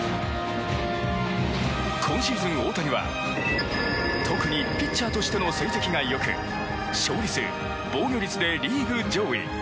今シーズン、大谷は特にピッチャーとしての成績が良く勝利数、防御率でリーグ上位。